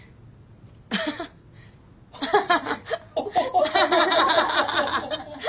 アハハハハハ。